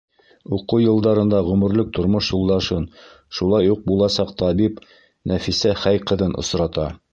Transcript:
Уҡыу йылдарында ғүмерлек тормош юлдашын — шулай уҡ буласаҡ табип Нәфисә Хәй ҡыҙын — осрата.